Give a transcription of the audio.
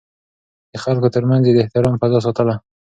د خلکو ترمنځ يې د احترام فضا ساتله.